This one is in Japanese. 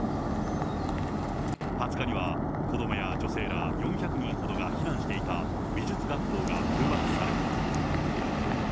２０日には子どもや女性ら４００人ほどが避難していた美術学校が空爆された。